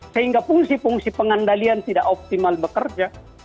sehingga fungsi fungsi pengandalian tidak optimal bekerja